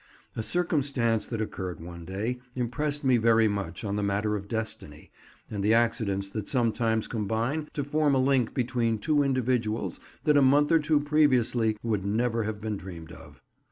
A circumstance that occurred one day impressed me very much on the matter of destiny, and the accidents that sometimes combine to form a link between two individuals that a month or two previously would never have been dreamed of.